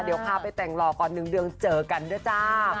เดี๋ยวพาไปแต่งหล่อก่อน๑เดือนเจอกันด้วยจ้า